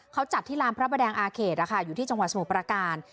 เขาจัดที่ลำพระแปดงอาเคสค่ะอยู่ที่จังหวัดสมุปาราการ